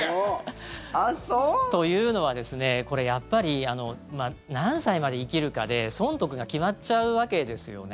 というのは、これ、やっぱり何歳まで生きるかで損得が決まっちゃうわけですよね。